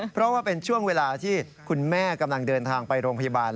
เพราะว่าเป็นช่วงเวลาที่คุณแม่กำลังเดินทางไปโรงพยาบาล